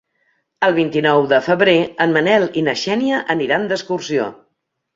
El vint-i-nou de febrer en Manel i na Xènia aniran d'excursió.